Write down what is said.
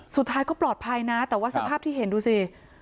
สุดท้ายก็ปลอดภัยนะแต่ว่าสภาพที่เห็นดูสิ